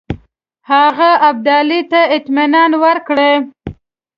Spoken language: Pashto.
هغه ابدالي ته اطمینان ورکړی.